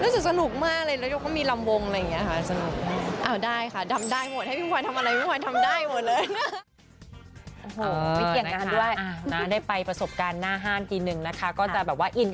เรื่องนี้ใส่สนุกมากเลยแล้วก็มีลำวงซ์อะไรอย่างเงี้ย